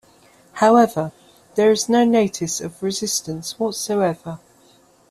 However, there is no notice of resistance whatsoever.